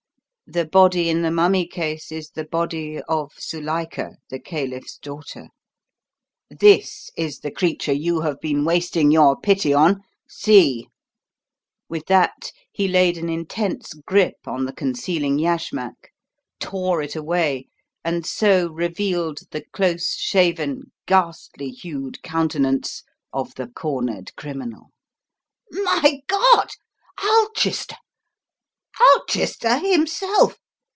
The body in the mummy case is the body of Zuilika, the caliph's daughter! This is the creature you have been wasting your pity on see!" With that he laid an intense grip on the concealing yashmak, tore it away, and so revealed the close shaven, ghastly hued countenance of the cornered criminal. "My God! Ulchester Ulchester himself!"